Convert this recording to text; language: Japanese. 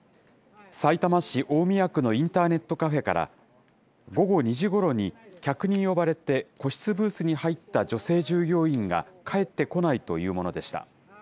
さいたま市大宮区のインターネットカフェから、午後２時ごろに、客に呼ばれて個室ブースに入った女性従業員が帰ってこないというものでした。